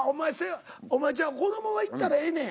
お前じゃあこのままいったらええねん。